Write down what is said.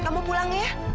kamu pulang ya